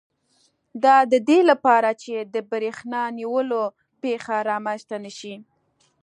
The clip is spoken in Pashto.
د دې لپاره چې د بریښنا نیولو پېښه رامنځته نه شي.